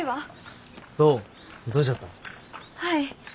はい。